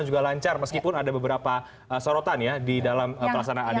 dan juga lancar meskipun ada beberapa sorotan ya di dalam pelaksanaannya